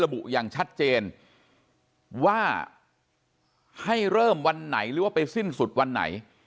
อย่างชัดเจนว่าให้เริ่มวันไหนหรือว่าไปสิ้นสุดวันไหน